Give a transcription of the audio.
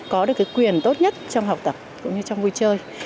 có được cái quyền tốt nhất trong học tập cũng như trong vui chơi